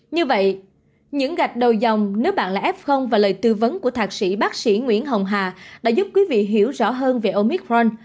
như vậy những gạch đầu dòng nếu bạn là f và lời tư vấn của thạc sĩ bác sĩ nguyễn hồng hà đã giúp quý vị hiểu rõ hơn về omic ron